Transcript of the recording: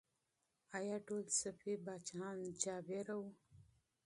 آیا ټول صفوي پاچاهان ظالم وو؟